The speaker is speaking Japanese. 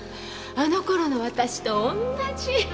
あの頃の私と同じ。